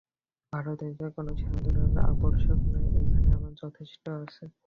ভারত হইতে কোন সাহায্যের আর আবশ্যক নাই, এখানে আমার যথেষ্ট আছে।